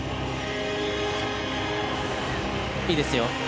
いいですよ。